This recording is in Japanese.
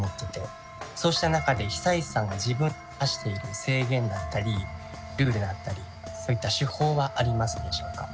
そうした中で久石さんが自分に課している制限だったりルールだったりそういった手法はありますでしょうか？